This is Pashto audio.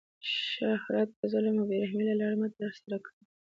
شهرت د ظلم او بې رحمۍ له لاري مه ترسره کوئ!